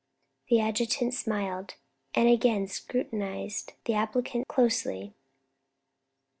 The adjutant smiled, and again scrutinised the applicant closely.